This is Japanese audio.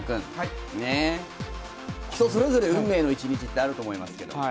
人それぞれ、運命の１日ってあると思いますけど。